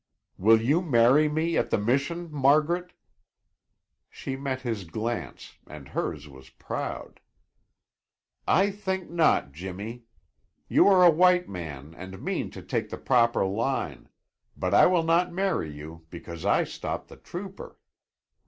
"Will you marry me at the Mission, Margaret?" She met his glance and hers was proud. "I think not, Jimmy. You are a white man and mean to take the proper line. But I will not marry you because I stopped the trooper."